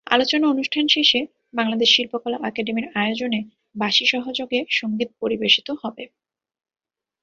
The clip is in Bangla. আলোচনা অনুষ্ঠান শেষে বাংলাদেশ শিল্পকলা একাডেমীর আয়োজনে বাঁশি সহযোগে সংগীত পরিবেশিত হবে।